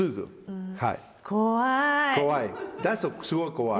怖い！